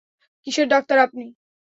কীসের ডাক্তার আপনি?